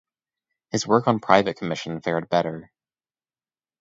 His work on private commission fared better.